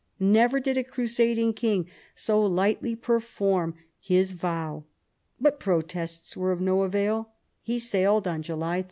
Ne ver did a crusading king so lightly perform his vow. But protests were of no avail, and he sailed on July 31.